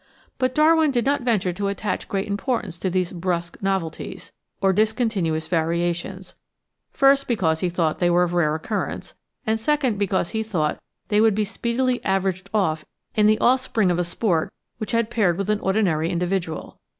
But Darwin did not venture to attach great importance to these brusque novelties, or discontinuous variations, first because he thought they were of rare occurrence, and second because he thought they would be speedily averaged off in the offspring of a sport which had paired with an ordinary individual.